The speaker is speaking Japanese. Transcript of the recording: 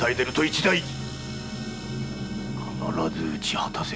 必ず討ち果たせ。